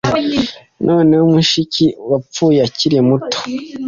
noneho mushiki wapfuye akiri muto